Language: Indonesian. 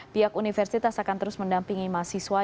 pihak universitas akan terus mendampingi mahasiswa